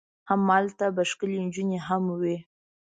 همالته به ښکلې نجونې هم وي.